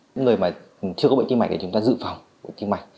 những người mà chưa có bệnh tim mạch thì chúng ta dự phòng bệnh tim mạch